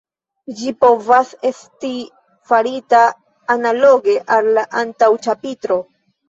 Ĝi povas esti farita analoge al la antaŭ ĉapitro.